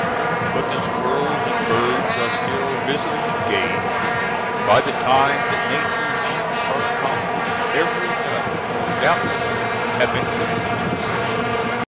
But the squirrels and birds are still busily engaged, and by the time that Nature's ends are accomplished, every nut will doubtless have been put to use.